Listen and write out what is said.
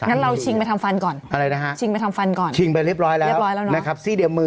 งั้นเราชิงไปทำฟันก่อนชิงไปทำฟันก่อนเรียบร้อยแล้วนะครับซี่เดียว๑๒๐๐๐บาท